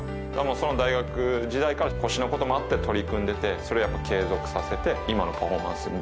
その大学時代から腰のこともあって取り組んでてそれやっぱ継続させて。